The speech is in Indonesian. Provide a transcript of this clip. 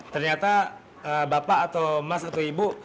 ternyata bapak atau mas atau ibu